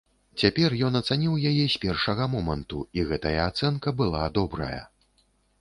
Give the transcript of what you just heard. Цяпер ён ацаніў яе з першага моманту, і гэтая ацэнка была добрая.